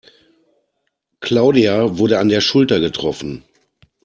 Claudia wurde an der Schulter getroffen.